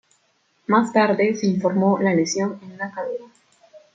Más tarde se informó la lesión en la cadera.